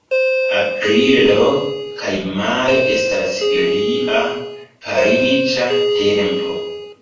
Aprilo kaj majo estas ilia pariĝa tempo.